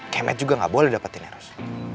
kemet juga nggak boleh dapetin eros